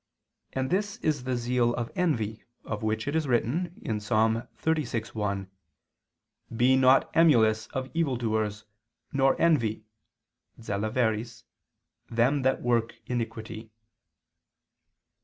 And this is the zeal of envy, of which it is written (Ps. 36:1): "Be not emulous of evil doers, nor envy (zelaveris) them that work iniquity."